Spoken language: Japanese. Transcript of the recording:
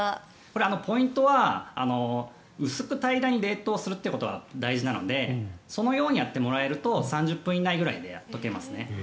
ポイントは薄く平らに冷凍することが大事なのでそのようにやってもらえると３０分以内くらいで解けますね。